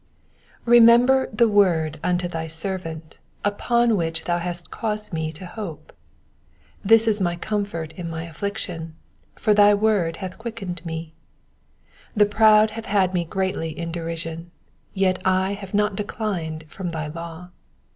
REMEMBER the word unto thy servant, upon which thou hast caused me to hope. 50 This is my comfort in my affliction : for thy word hath quickened me. 51 The proud have had me greatly in derision : yet have I not declined from thy law.